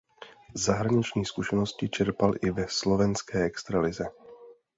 Zahraniční zkušenosti čerpal i ve slovenské Extralize.